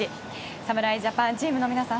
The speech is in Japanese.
侍ジャパンチームの皆さん